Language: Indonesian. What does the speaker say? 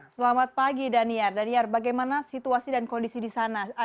selamat pagi daniar daniar bagaimana situasi dan kondisi di sana